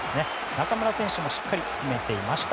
中村選手もしっかり詰めていました。